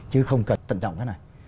chứ không cần tận trọng cái này